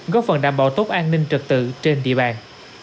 góp phần đảm bảo tốt an ninh trật tự trên địa bàn